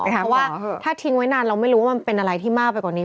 เพราะว่าถ้าทิ้งไว้นานเราไม่รู้ว่ามันเป็นอะไรที่มากไปกว่านี้